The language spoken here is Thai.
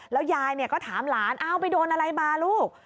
แล้วยายก็ถามหลานเอาไปโดนอะไรมาลูก